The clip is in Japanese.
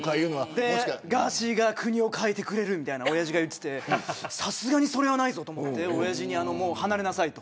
ガーシーが国を変えてくれるみたいなことを言っていてさすがにそれはないぞと思っておやじに離れなさいと。